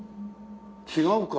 違うか。